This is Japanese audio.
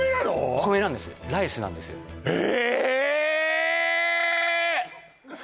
お米なんですライスなんですよえ